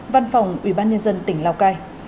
văn phòng ủy ban nhân dân tỉnh lào cai